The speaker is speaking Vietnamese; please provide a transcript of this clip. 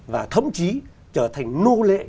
và thống trí trở thành nô lệ